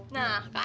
nah kan yuk